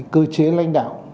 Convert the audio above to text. cơ chế lãnh đạo